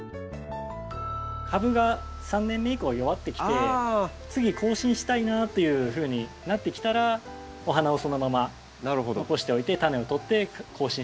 株が３年目以降は弱ってきて次更新したいなというふうになってきたらお花をそのまま残しておいてタネをとって更新して下さい。